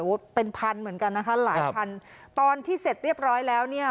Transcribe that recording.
โอ้โหเป็นพันเหมือนกันนะคะหลายพันตอนที่เสร็จเรียบร้อยแล้วเนี่ย